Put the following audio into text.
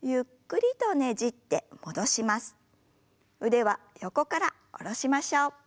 腕は横から下ろしましょう。